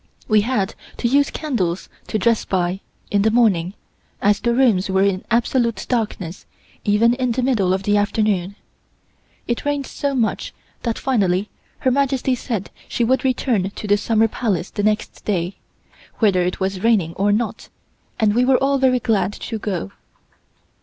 We had to use candles to dress by, in the morning, as the rooms were in absolute darkness even in the middle of the afternoon. It rained so much that finally Her Majesty said she would return to the Summer Palace the next day, whether it was raining or not, and we were all very glad to go.